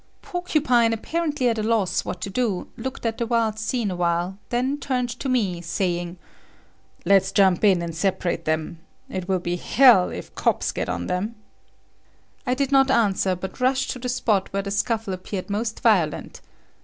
Porcupine, apparently at a loss what to do, looked at the wild scene awhile, then turned to me, saying: "Let's jump in and separate them. It will be hell if cops get on them." I did not answer, but rushed to the spot where the scuffle appeared most violent.